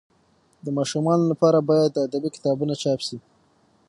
د ماشومانو لپاره باید ادبي کتابونه چاپ سي.